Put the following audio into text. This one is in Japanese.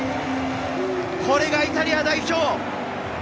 これがイタリア代表！